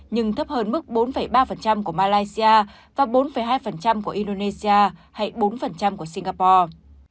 nhưng thấp hơn mức bốn ba của malaysia và bốn hai của indonesia hay bốn của singapore